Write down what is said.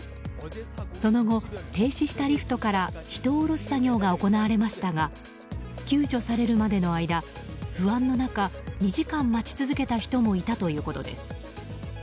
その後、停止したリフトから人を降ろす作業が行われましたが救助されるまでの間、不安の中２時間待ち続けた人もいたということです。